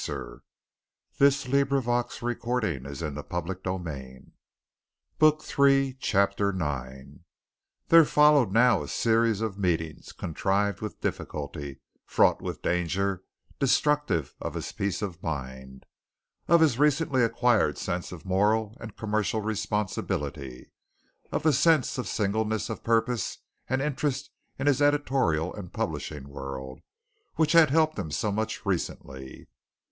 For him, so far as work was concerned, the afternoon was gone. CHAPTER IX There followed now a series of meetings contrived with difficulty, fraught with danger, destructive of his peace of mind, of his recently acquired sense of moral and commercial responsibility, of the sense of singleness of purpose and interest in his editorial and publishing world, which had helped him so much recently.